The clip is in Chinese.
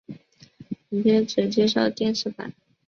本篇只介绍电视版。